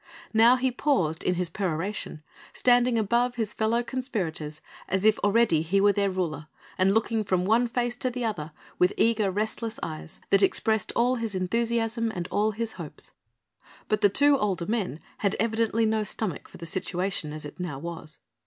Now he paused in his peroration, standing above his fellow conspirators as if already he were their ruler, and looking from one face to the other with eager restless eyes that expressed all his enthusiasm and all his hopes. But the two older men had evidently no stomach for the situation as it now was.